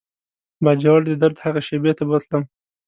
باجوړ د درد هغې شېبې ته بوتلم.